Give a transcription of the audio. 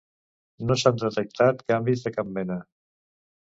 No s'han detectat canvis de cap mena.